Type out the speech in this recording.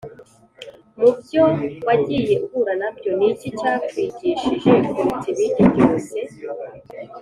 mu byo wagiye uhura na byo niki cyakwigishije kuruta ibindi byose?